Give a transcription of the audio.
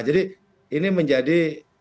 jadi ini menjadi